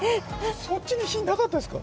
そっちに火なかったですか？